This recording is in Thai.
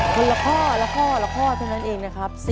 คนละข้อละข้อละข้อเท่านั้นเองนะครับ